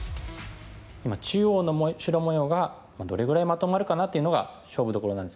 今中央の白模様がどれぐらいまとまるかなっていうのが勝負どころなんですけれども。